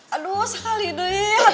aduh sekali deh